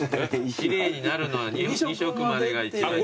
奇麗になるのは２色までが一番奇麗。